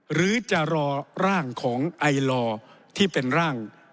หรือจะรอร่างของไอลอที่เป็นร่าง